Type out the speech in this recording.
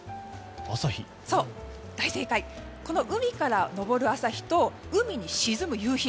この海から昇る朝日と海に沈む夕日。